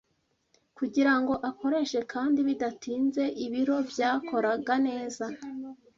kugirango akoreshe kandi bidatinze ibiro byakoraga neza.